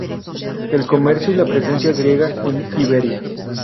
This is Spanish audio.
El comercio y la presencia griega en Iberia".